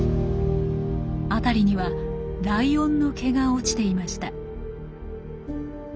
辺りにはライオンの毛が落ちていました。